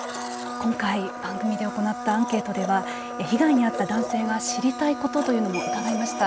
今回番組で行ったアンケートでは被害に遭った男性が知りたいことというのも伺いました。